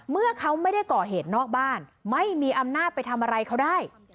เมื่อเขาไม่ได้ก่อเหตุนอกบ้านไม่มีอำนาจไปทำอะไรเขาได้